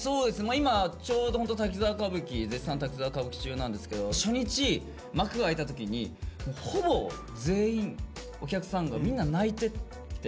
今ちょうど絶賛「滝沢歌舞伎」中なんですけど初日幕が開いた時にほぼ全員お客さんがみんな泣いてて。